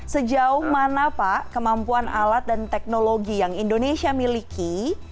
sejauh mana pak kemampuan alat dan teknologi yang indonesia miliki